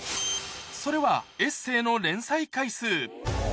それは、エッセーの連載回数。